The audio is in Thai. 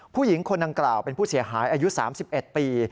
ผู้หญิงคนดังกล่าวเป็นผู้เสียหายอายุ๓๑ปี